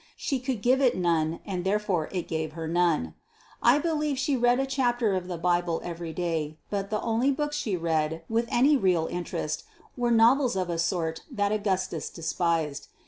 She could give it none, and therefore it gave her none. I believe she read a chapter of the Bible every day, but the only books she read with any real interest were novels of a sort that Augustus despised.